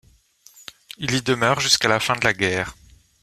Il y demeure jusqu'à la fin de la guerre.